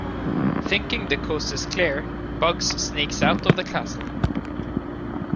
Thinking the coast is clear, Bugs sneaks out of the castle.